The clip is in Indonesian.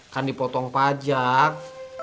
kan dipotong pajak